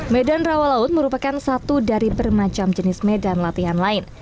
medan rawa laut merupakan satu dari bermacam jenis medan latihan lain